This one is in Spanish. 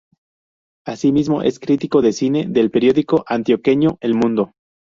Asimismo, es crítico de cine del periódico antioqueño "El Mundo".